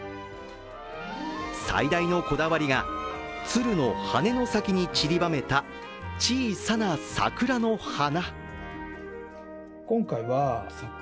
最大のこだわりが鶴の羽の先に散りばめた小さな桜の花。